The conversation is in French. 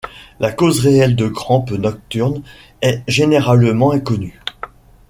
La cause réelle de crampes nocturnes est généralement inconnue.